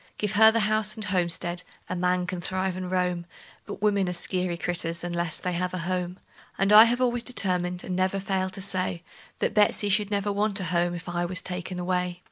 Give her the house and homestead a man can thrive and roam; But women are skeery critters, unless they have a home; And I have always determined, and never failed to say, That Betsey never should want a home if I was taken away.